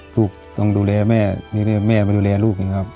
ลูกต้องดูแลแม่นี่แม่มาดูแลลูก